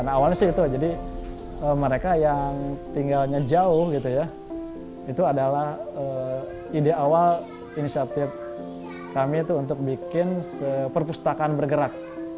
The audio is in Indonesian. nah awalnya sih itu jadi mereka yang tinggalnya jauh gitu ya itu adalah ide awal inisiatif kami itu untuk bikin perpustakaan bergerak